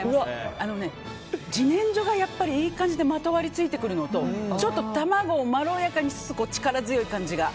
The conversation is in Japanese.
あのね、自然薯がいい感じでまとわりついてくるのとちょっと卵をまろやかにしつつ力強い感じが。